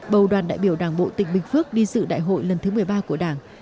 bầu đoàn đại biểu đảng bộ tỉnh bình phước đi dự đại hội lần thứ một mươi ba của đảng